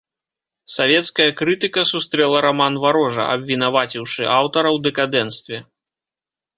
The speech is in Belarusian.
Савецкая крытыка сустрэла раман варожа, абвінаваціўшы аўтара ў дэкадэнцтве.